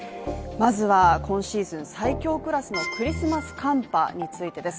まずは、今シーズン最強クラスのクリスマス寒波についてです。